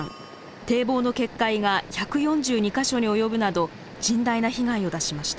堤防の決壊が１４２か所に及ぶなど甚大な被害を出しました。